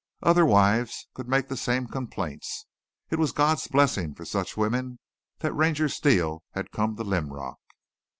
Other wives could make the same complaints. It was God's blessing for such women that Ranger Steele had come to Linrock.